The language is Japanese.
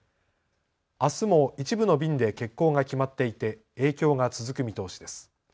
あすも一部の便で欠航が決まっていて影響が続く見通しです。